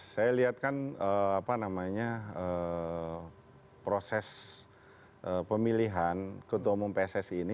saya lihat kan proses pemilihan ketua umum pesesi ini